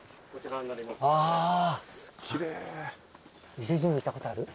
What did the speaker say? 伊勢神宮行ったことある？